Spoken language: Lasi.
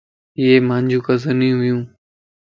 ايي مانجو ڪزنيون ون